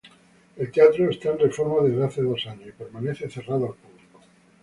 El teatro está en reforma desde hace dos años y permanece cerrado al público.